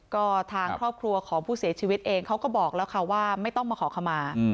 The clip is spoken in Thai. ก็ทางครอบครัวของผู้เสียชีวิตเองเขาก็บอกแล้วค่ะว่าไม่ต้องมาขอขมา